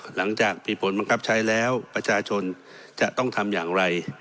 หลังจากมีผลบังคับใช้แล้วประชาชนจะต้องทำอย่างไร